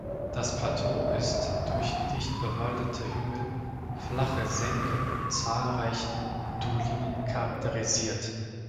Das Plateau ist durch dicht bewaldete Hügel, flache Senken und zahlreichen Dolinen charakterisiert.